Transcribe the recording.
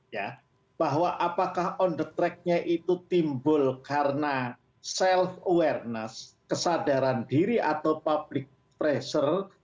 ya bahwa apakah on the tracknya itu timbul karena self awareness kesadaran diri atau public pressure